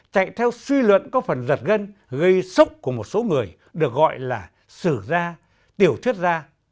chạy theo suy luận có phần giật gân gây sốc của một số người được gọi là sử gia tiểu thuyết ra